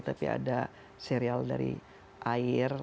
tapi ada serial dari air